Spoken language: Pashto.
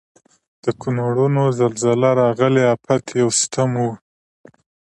د کونړونو زلزله راغلي افت یو ستم و.